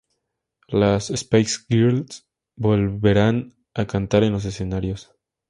Las Spice Girls volverán a cantar en los escenarios.